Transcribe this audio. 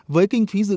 với kinh phí dự án